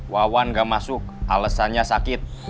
wawan gak masuk alesannya sakit